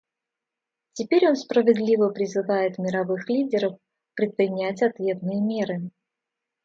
Теперь он справедливо призывает мировых лидеров предпринять ответные меры.